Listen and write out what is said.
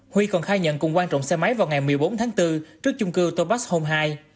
huy còn khai nhận cùng quan trọng xe máy vào ngày một mươi bốn tháng bốn trước chung cư topax home hai